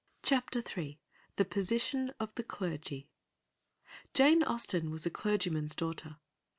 CHAPTER III THE POSITION OF THE CLERGY Jane Austen was a clergyman's daughter.